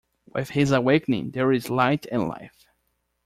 With his awakening, there is light and life.